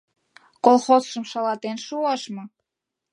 Колхозшым шалатен шуаш мо?